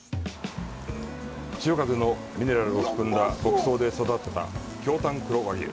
潮風のミネラルを含んだ牧草で育てた京たんくろ和牛。